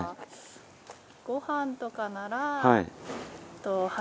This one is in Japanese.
ごはんとかなら。